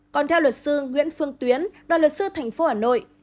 còn theo luật sư nguyễn phương tuyến đoàn luật sư thành phố hà nội